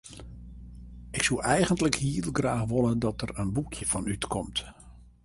Ik soe eigentlik heel graach wolle dat der in boekje fan útkomt.